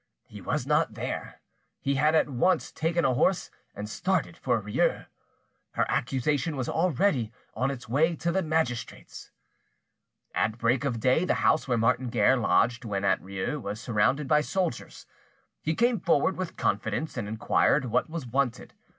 He was not there: he had at once taken a horse and started for Rieux. Her accusation was already on its way to the magistrates! At break of day the house where Martin Guerre lodged when at Rieux was surrounded by soldiers. He came forward with confidence and inquired what was wanted.